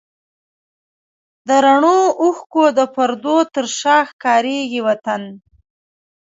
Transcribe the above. د رڼو اوښکو د پردو تر شا ښکارېږي وطن